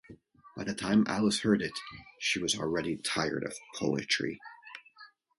By the time Alice heard it, she was already tired of poetry.